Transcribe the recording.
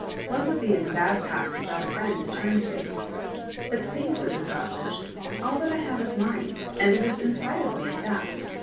One would be in a bad pass without a friend to turn to." " But see," said the Sausage, " all that I have is mine, and it is inside of me at that."